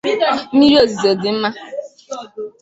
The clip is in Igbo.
Mmiri ozuzo dị mma